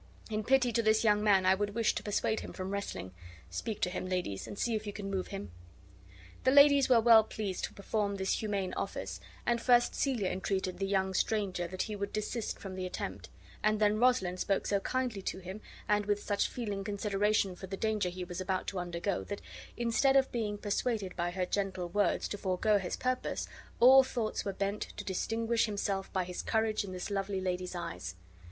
In pity to this young man, I would wish to persuade him from wrestling. Speak to him, ladies, and see if you can move him." The ladies were well pleased to perform this humane office, and first Celia entreated the young stranger that he would desist from the attempt; and then Rosalind spoke so kindly to him, and with such feeling consideration for the danger he was about to undergo, that, instead of being persuaded by her gentle words to forego his purpose, all his thoughts were bent to distinguish himself by his courage in this lovely lady's eyes.